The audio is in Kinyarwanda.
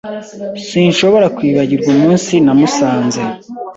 Sinshobora kwibagirwa umunsi namusanze.